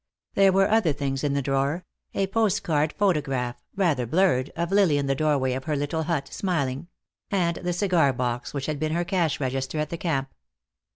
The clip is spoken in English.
There were other things in the drawer; a postcard photograph, rather blurred, of Lily in the doorway of her little hut, smiling; and the cigar box which had been her cash register at the camp.